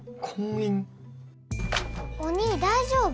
お兄大丈夫？